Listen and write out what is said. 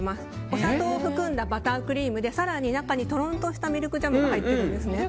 お砂糖を含んだバタークリームで更に中にとろっとしたミルクジャムが入ってるんです。